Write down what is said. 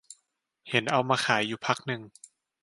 เห็นเอามาขายอยู่พักนึง